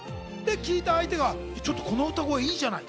聴いた相手が、この歌声いいじゃない！